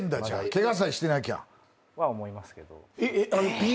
ケガさえしてなきゃ。は思いますけど。